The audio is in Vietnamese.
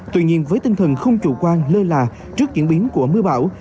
tuy nhiên với tinh thần không chủ quan lơ là trước diễn biến của mưa bão